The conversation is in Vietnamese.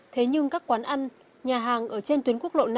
thế nhưng các quán ăn nhà hàng ở trên tuyến quốc lộ năm